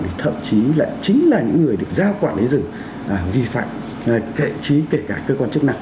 thì thậm chí lại chính là những người được giao quản lý rừng vi phạm trí kể cả cơ quan chức năng